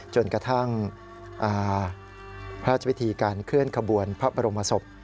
จนกระทั่งพระราชวิธีการเคลื่อนขบวนพระบรมศพ